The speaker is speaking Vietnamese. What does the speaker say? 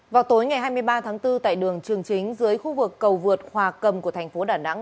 vào tối ngày hai mươi ba tháng bốn tại đường trường chính dưới khu vực cầu vượt hòa cầm của thành phố đà nẵng